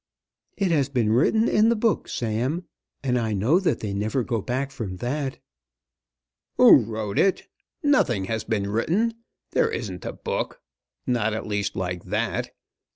"It has been written in the book, Sam; and I know that they never go back from that." "Who wrote it? Nothing has been written. There isn't a book; not at least like that.